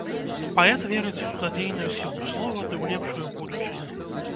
Паэт верыць у цудадзейную сілу слова ды ў лепшую будучыню.